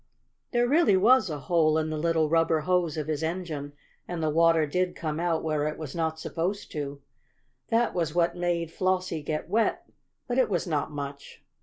There really was a hole in the little rubber hose of his engine, and the water did come out where it was not supposed to. That was what made Flossie get wet, but it was not much.